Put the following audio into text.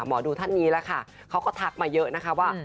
หมอดูท่านนี้ล่ะค่ะเขาก็ทักมาเยอะนะคะว่า